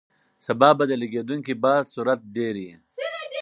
سبا به د لګېدونکي باد سرعت ډېر وي.